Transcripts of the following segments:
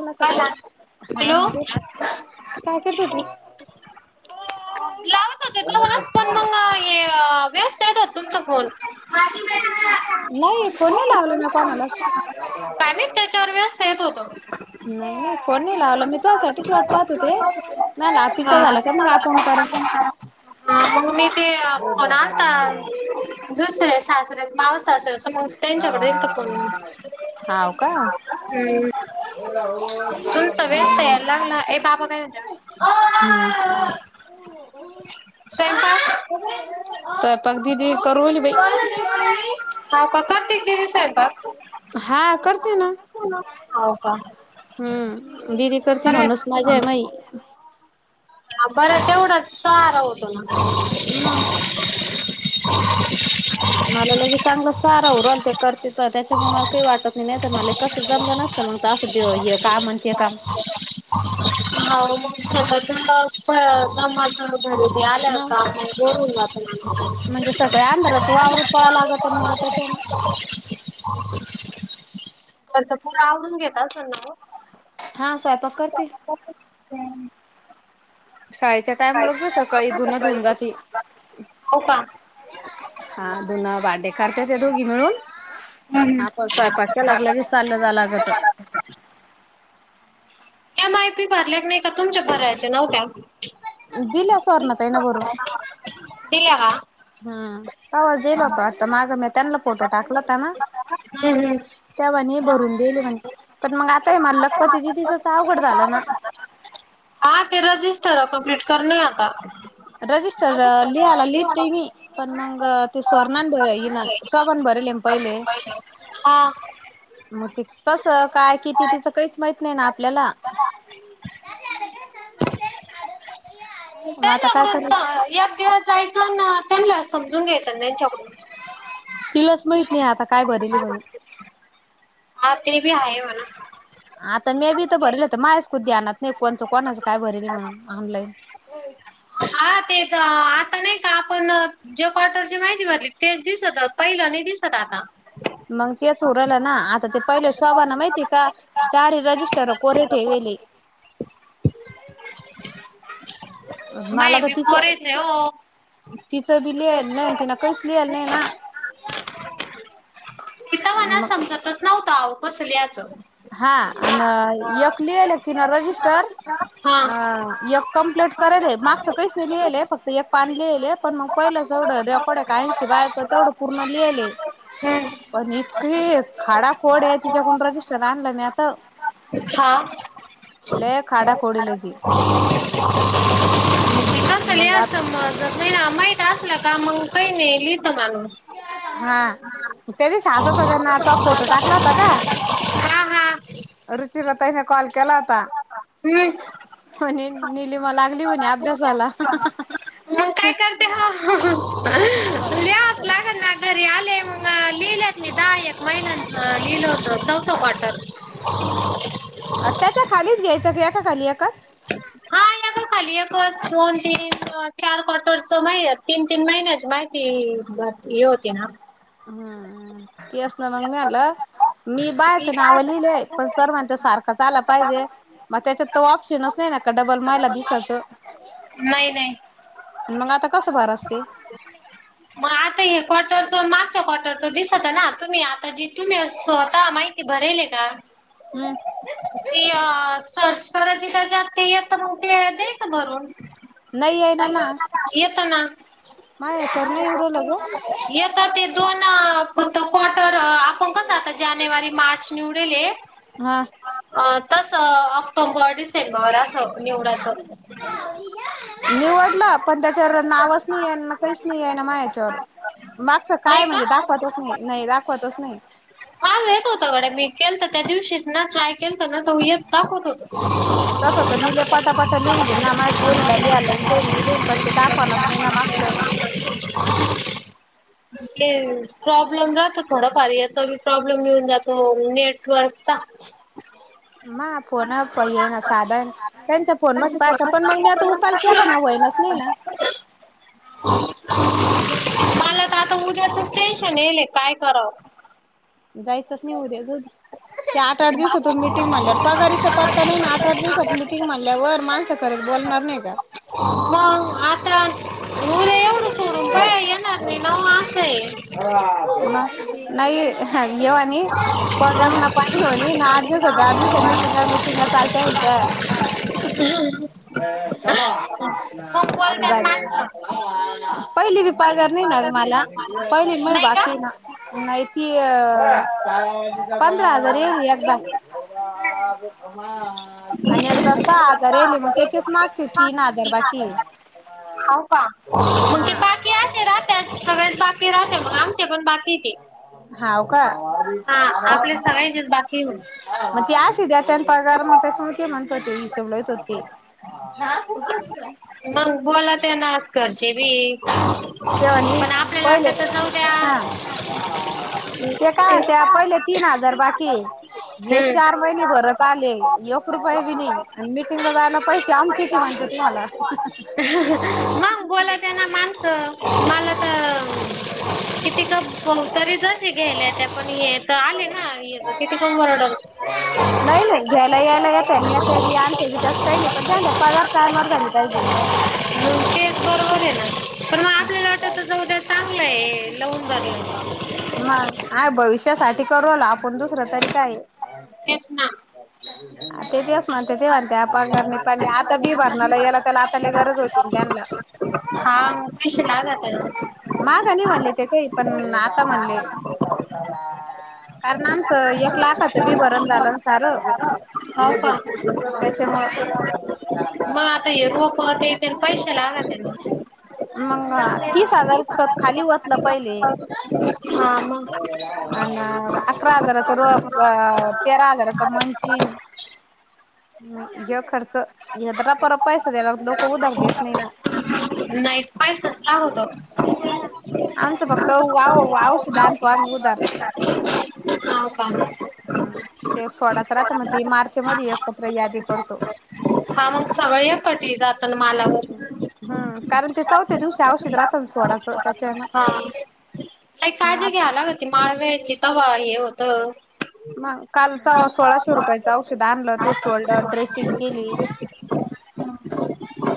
मला सकाळी हा हॅलो बर काय करतो होती. वला वास पण [unintelligible] तुमचा फो नाही फोन नाही लावला ना कोणाला. आणि त्याच्यावर व्यवस्थ येत होत. नाही नाही फोन नाही लावलं मी तुझसाठीच वाट पाहत होते नाही तिथं झालं का मग आपण करा. हा मग मी ते फोन आणत. दुसर शासत मा मग त्यांच्याकडे येल तर पण हम्म. हे राहुल तुमच व्यस्त याला लाग ना ए बाबा काय हो जा. [unintelligible] स पगदीदी करू बाई. हाव का करते दिदी स्वयंपाक? हा करते ना. हाव का हम्म दिदी करते बरं आहे. म्हण बस माझा आहे म हा बरं तेवढंच सारा होतो नाला. हना. ह. मला लगे चांगलं सारा उरल ते करते तर त्याच्यामुळे मला काही वाटत नाही नाहीत मला कसं जमलं नसत. मग असं ते काय म्हणते का? ह मग फळ का माझ [unintelligible] [inaudible] आल्या न का बरून म्हणजे [inaudible] त्याच्या ना. तर तर पूर् आवडरून घेत असल ना ओ. हा स्वयंपाक करते. हम्. शाळेच्या टाइमावर सकाळी धुन सकाळी धुन जाते. हो का? हम्म हा धुन भांडे करत्यात ते दोघी मिळून हम्म. हा पण स्वयंपाक झाला कालगीच चाललं जाय लागत. [unintelligible] ए माय पी भरले नाही का तुमच्या भरायच्या नव्हत्या. दिल्या सुवर्णा ताईन दिल्या का? हम् तवाच दिल होत वाटत माग मी त्यांना फोटो टाकला होताना हम्म हम्म. त्यावा नाई भरून दिली म्हण पण मग आताय मला लखपती दिदीचच. अवघड झालं ना हा ते रजिस्टर कमप्लीट करून येऊ काय? रजिस्टर लिहाला लिहिते मी पण मंग ते सरनान भराय यिना सवण भरले न पहिले. हा मग ते कस काय किती तिचं काहीच माहित नाही ना आपल्याला. [unintelligible] यक दिवस जायच आन त्यांना समजून घ्यायच. चप तिलाच [inaudible] माहित नाही आता काय भरेली म्हणून हा ते बी आहे म्हना. भरल होत मायाच खुद ध्यानात नाही कोणचं कोणाचं काय भरेल म्हणून आनलय. हा ते तर. नाही का आपण जे क्वाटर ची माहिती भरली तेच दिसत पहिलं नाही दिसत आता. मग तेच उरलं ना आता ते पहिले शोबांन माहितीय का चारी रजिस्टर कोरे. ठेवीले. मला मये त बी तिचं. पोरेच आहे हो. तिचं बी लिहायला नाही तिन काहीच लिहाला नाही ना. तिथ म्हणा मग समजतच नव्हत आवो कस लिहाच. हा आणि यक लियले तिन रजिस्टर. हा. अ एक कमप्लीट करेल ए मागच काहीच नाही लिहिलं आहे फक्त एक पान लिहिलेय पण मग पहिलंच. जवढं रेकोड् एका हीऐंशी बायाच तेवढं पूर्ण लिहलय. हम्म. पण इतकीे खाडा खोड आहे तिच्याकडून रजिस्टर आणलं नाही आता. हा. लय खाडाखोड ए लगी. कस मग लिहायच आता समज नाही ना माहीित असलं का मग काही नाही लिहित माणूस. हा त्याचे साहासात हजार ना आता फोटो टाकला होता का. हा हा. रुचीरा ताईने कॉल केला होता. हम्म म्हणे निलिमा लागली म्हणे अभ्यासाला. मग काय करते हो हम ह. ह. आले म लिहिलेत मी दहा एक महिलांचं लिहिल होत चौथं क्वाटर. त्याच्या खालीच घ्यायचं का एका खाली यकच. हा या ग खाली यकच दोन तीन चार चार क्वाटरच माहि तीन तीन महिन्याच. माहिती ह हे होती ना. हा केस ना मी म्हनल. मी बायाच नाव लिहिलेय पण सर म्हणतात सारखंच आलं पाहिजे. मग त्याच्यात त ऑप्शनच नाही ना का डबल महिलाला दिसायचं. नाई नाई. मग आता कसं भार असतील.. मग आज.. आता हे काउटर्सचं तो मागच्या काउटर्सचं दिसत आहे ना. तुम्ही आता जी तुम्ही स्वतः माहिती भरेल. चार. हम्म ती अ-सर्च करायची. त्याच्यात ते य तर मग ते द्यायच भरून. नाही आहे ना ना अ-येतो ना. माझ्या याच्यावर नाही येऊ राहिलं ग येतं ते दोन. फक्त काऊटर्स आपण कसं आता जानेवारी मार्च निवडलेल. हा.. तस ऑक्टोबर डिसेंबर असं निवडच. निवडलं. पण त्याच्यावर नावच नाहीये ना. काहीच नाहिये ना. मग याच्यावर- मागच काय नाही म्हणजे दाखवतच नाही. नाही दाखवतच नाही. माझं येत होत गड्या. मी केल तर त्या दिवशी ना ट्राय केल. ना [unintelligible] तापत होत मग तसं तर मी लय पटापटा लिहून घेईन ना माझ्या पोरीला लिहायला येईन [inaudible] मी ते [unintelligible] दाखवेना [unintelligible] मागचं. ते प्रॉब्लेम राहतो थोडा फार याची बी प्रॉब्लेम घेऊन जातो नेटवर्क. ता. मा फोना व फोन येना साधयेना त्यांच्या फोन मच पाय सं पण मग मी आता उकाल केला ना होईना. इ ना. [unintelligible] मला तर आता उद्याचच टेनशन येले काय कराव? जायचंच नइ उद्या. ते आठ-आठ दिवसाच मीटिंग म्हणल्यावर पगारीचा पत्ता नाहीना. आठ-आठ दिवस मीटिंग मानल्यावर माणसं खरत बोलणार नाही का. हो आ. उरे येवढं आहे. नाही [inaudible] ह ये आणि पगार ना पाणी ह्यो आणि ना आठ दिवस आठ दिवस मिटिंगा मिटिंगा चालते. हा. [inaudible] ह चल [inaudible] पहिली बी पगार नाही ना गं मला पहिली म वाकीय ना माहिती. पंधरा हजार येल एकदा. आणि एकदा सहा हजार याली मग त्याचीच मागची तीन हजार बाकी. ह च हा. बाकी राहते मग आमचे पण बाकीय ते. हाव [inaudible] हा आपले सगळ्याचेच बाकी मग. मग ती आशी देत्यात पगार मग त्याच्या म ते म्हणत हिशो यतच ते. [inaudible] कशी भी. तेव्हानी पहिले जाऊ द्या हा ते. काय त्या हम्म पहिल्या तीन हजार बाकीये ये चार महिने भरत आले योक रुपये बी नइ आणि मिटिंगला जायला पैसे आमचेच हे तुम्हाला. मग बोला त्यांना मग. तर मला तर कितीतर बतरी जसे घ्यायले त्या. पण हे तर आले ना कि वरडलं. आणते त्यास काही नाही पण ते आण पगार टायमर झाली पाहिजे. तेच बरोबर आहे ना. पण मग आपल्याला वाटत जाऊ द्या चांगलं आहे लवून भरलं मय ब [inaudible] भविष्यासाठी करवला आपण दुसरं तरी काय? तेच ना ते म्हणते ते म्हणते आपणर नाही पणणी आता बी भरणार याला त्याला आताला गरज होती त्यांनला हा. पैसे लागत आहे मागा नाही म्हणले ते काही, पण आता म्हणले. कारण आमचं य लाखात बी भरणं झालं ना सारं, हो का त्याच्यामु मग आता हे रोपं ये ते पैशे लागतेत. मंग तीस हजारच ख खाली ओतलं पहिले हा मग अ ना अकरा हजाराचं रोप अ तेरा हजाराचं मंचिंग नाही ज खर्च ये जरा पर पैसा द्यायला लोक उदक देत नाही ना. नाही पैसाच लागतो. आमच फक्त औ औषध आनतो आम्ही उधार. ह [unintelligible] हम ते सोडाच राहत मग ती मार्च मध्ये एकत्र यादी करतो. हा मग सगळे खटी जात ना. हम कारण ते चौथ्या दिवशी औषध राहतात सोडाच. त्याच्या ना. हा काही काळजी घ्यायलाग होती माळव्याची तव हे होत. मग कालच सोळाशे रुपयाचं औषध आणलं. शोल्डर ड्रेसिंग केली.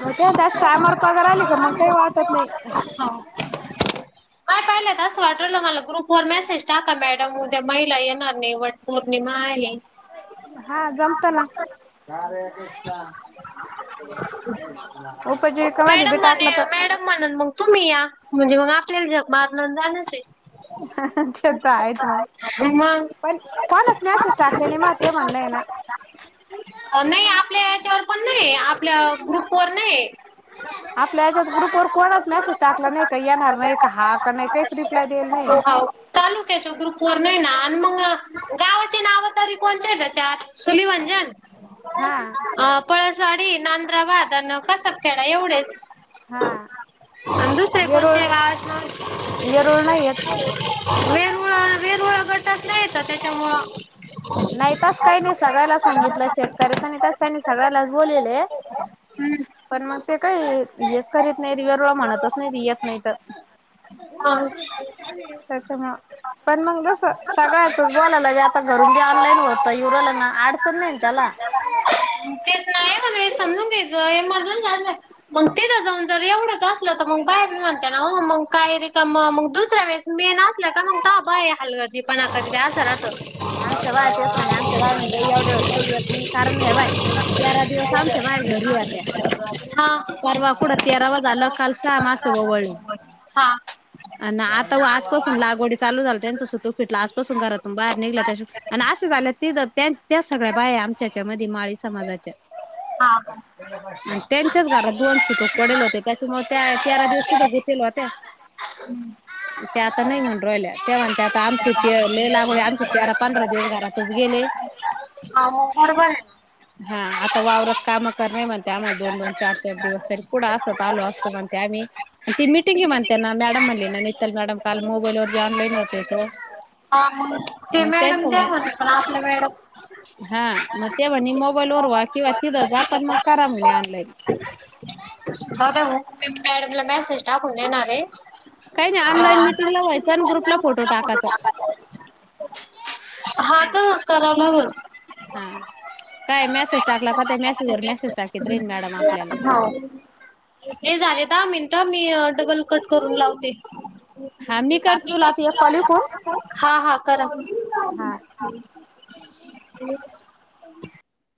हो ते त्याच टायमर पगार आले की मग काही वाटत नाही. हो. [inaudible] तर असं वाटलं मला ग्रुप वर मेसेज टाका मॅडम उद्या महिला येणार नाही वट पौर्णिमा आहे. ह [unintelligible] हा जमत ना. उपजे [inaudible] मॅडम म्हणे मॅडम म्हणून मग तुम्ही या म्हणजे मग आपल्याला झग मारन अन जाणंच आहे. ते तर आहेच मग. माग. पण कालच मॅसेज टाकले नाही मा ते म्हणणय ना. नाही आपल्या हच्यावर पण नाही. आपल्या ग्रुप वर नाही. आपल्या ग्रुप वर को मेसेज टाकला नाही का येणार नाही का ह नाही काहीच रिप्लाय देल नाही. हो तालुक्याच्या ग्रुप नाही ना मग गावाची नाव तरी कोनचे आहे ग त्यात. हा पळसवाडी, नांद्राबाद अन कसारखेडा एवढेच. हा आणि दुसरे वेरूळ, कोणचे गावाचे नाव वेरुळ नाही येत. गट च नाही तर त्याच्या मुळे नाही तस काही नाही सगळ्यालाच सांगितलं शेतकऱ्याच आणि त्यांनी सगळ्यालाच बोललेले आहे. हम्म. पण मग ते काही हेच करीत नाही रियराळ म्हणतच नाही येत नाही तर. हा प्रथ ना [unintelligible] पण मग जस सगळ्यातच बोलायला आता घरून घे ऑनलाईन होत युराहला ना अडचण नाही त्या चला. तेच नाय म्ह समजून घ्याचं येमर झंशी मग तेथ जाऊन जर एवढंच असलं तर मग बाहेर म्हते ना. मग काय रिकम मग दुसऱ्या वेळेस मेन असल्या की मग तवा बाया हलगर्जी पणा करता अस राहत. आमच बाय तेच म्हणे आमच बाया म्हण एवढं काही यत नाही कारण हे पाय तेरा दिवस आमच्या बाय घरी होत्या हा परवा कुठं तेरावा झालं काल सहा मासं ओवळली. हा. आता आजपासून लागवडी चालू झाल त्यांचं सुतूक फिटलं आजपासून घरातून बाहेर निघला. आणि असं झालय तिथे त्याच सगळ्या बाया आमच्या याच्या मधी माळी समाजाच्या. हा त्यांच्याच घरात दोन सुतक पडेल होते त्याच्या मुळे त्या तेरा दिवस तिथे गुतेल होत्या. ते [unintelligible] ते आता नाही म्हणुण राहिल्या तेव्हाण ते आता आमची ते लय लागवड आमची. तेरा, पंधरा दिवस घरातच गेले. अ मग बरोबर आहे ना. हा आता वावरात काम कर नाही म्हणते आम्हा दोन दोन चार चार दिवस तरी कुठ असत आलो असतो म्हणते आम्ही. ती मिटिंगे म्हणते ना मॅडम म्हटल्या नितल मॅडम काल मोबाईल वर ऑनलाईन होते. हा म्हून ते मग मॅडम ते त्यांच म्हत पण आपलं मॅडम. हा मग ते म्हणे मोबाईल वरव्हा किंवा तिथं जापण मग करा म्हणे ऑनलाईन. हो मॅडला मेसेज टाकून येणारे. काही नाही ह ऑनलाईन मिटिंगला व्हायचं आणि ग्रुपला फोटो टाकायचा टाका. हा तर करण हा काय मॅसेज टाकला म मेसेज वर मेसेज टाकीत रेन मॅडम आपल्याला. हो हे झाले दहा मिनटं मी डबल कट करून लावते हा मी करते तुला आता एक कॉल इकून हा हा. करा. हा.